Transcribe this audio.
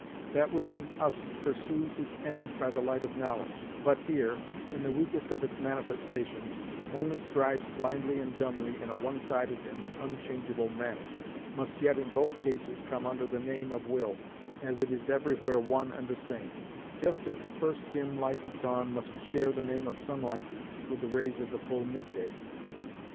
That which in us pursues its ends by the light of knowledge; but here, in the weakest of its manifestations, only strives blindly and dumbly in a one sided and unchangeable manner, must yet in both cases come under the name of will, as it is everywhere one and the same—just as the first dim light of dawn must share the name of sunlight with the rays of the full mid day.